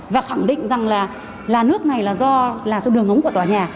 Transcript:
và khẳng định rằng là nước này là do đường ống của tòa nhà